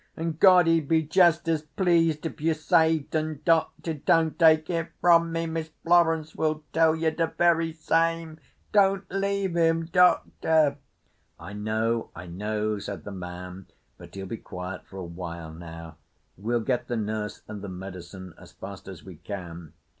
An' God he'd be just as pleased if you saved 'un, Doctor. Don't take it from me. Miss Florence will tell ye de very same. Don't leave 'im, Doctor!" "I know. I know," said the man, "but he'll be quiet for a while now. We'll get the nurse and the medicine as fast as we can."